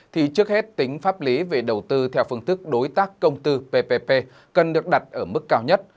thì trước hết tính pháp lý về đầu tư theo phương thức đối tác công tư ppp cần được đặt ở mức cao nhất